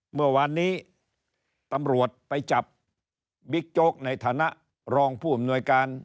เมื่อวานนี้ตำรวจไปจับบิ๊กโจ๊กในฐานะรองผู้อำนวยการ